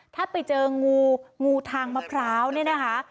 ถ้าไปเจองูงูทางมะพร้าวเนี่ยนะคะ